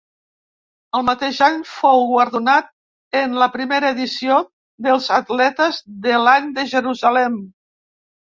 El mateix any fou guardonat en la primera edició dels atletes de l'any de Jerusalem.